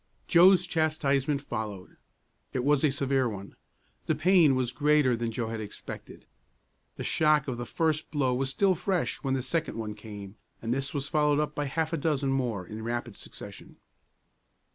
Joe's chastisement followed. It was a severe one. The pain was greater than Joe had expected. The shock of the first blow was still fresh when the second one came, and this was followed up by half a dozen more in rapid succession.